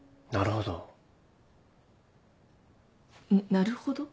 「なるほど」？